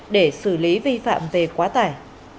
để xử lý vi phạm về quá tải